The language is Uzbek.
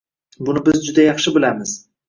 Buni biz juda yaxshi bilamiz.